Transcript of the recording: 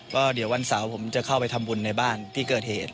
ก็เดี๋ยววันเสาร์ผมจะเข้าไปทำบุญในบ้านที่เกิดเหตุ